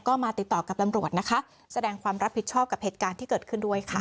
ก็มาติดต่อกับตำรวจนะคะแสดงความรับผิดชอบกับเหตุการณ์ที่เกิดขึ้นด้วยค่ะ